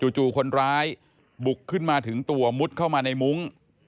จู่คนร้ายบุกขึ้นมาถึงตัวมุดเข้ามาในมุ้ง